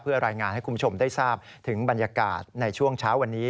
รายงานให้คุณผู้ชมได้ทราบถึงบรรยากาศในช่วงเช้าวันนี้